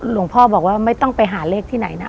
หลวงพ่อบอกว่าไม่ต้องไปหาเลขที่ไหนนะ